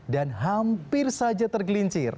dan hampir saja tergelincir